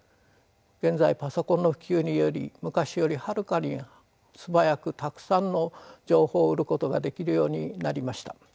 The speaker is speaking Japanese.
現在パソコンの普及により昔よりはるかに素早くたくさんの情報を得ることができるようになりました。